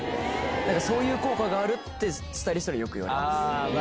そういう効果があるって、スタイリストによく言われます。